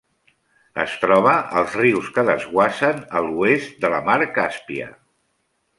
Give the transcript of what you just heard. Es troba als rius que desguassen a l'oest de la Mar Càspia.